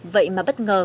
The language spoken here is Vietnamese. vậy mà bất ngờ